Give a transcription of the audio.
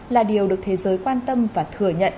là điều được thế giới quan tâm và thừa nhận